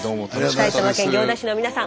埼玉県行田市の皆さん